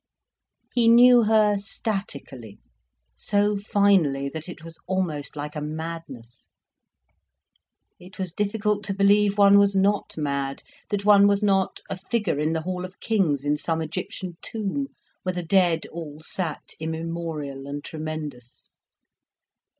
He knew her statically, so finally, that it was almost like a madness. It was difficult to believe one was not mad, that one was not a figure in the hall of kings in some Egyptian tomb, where the dead all sat immemorial and tremendous.